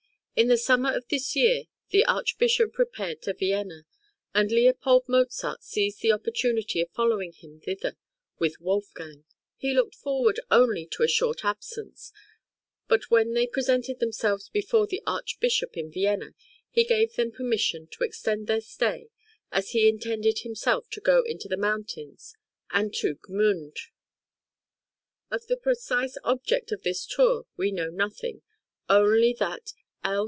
In the summer of this year the Archbishop repaired to Vienna, and Leopold Mozart seized the opportunity of following him thither with Wolfgang. He looked forward only to a short absence, but when they presented themselves before the Archbishop in Vienna he gave them permission to extend their stay, as he intended himself to go into the mountains and to Gmünd. Of the precise object of this tour we know nothing, only that L.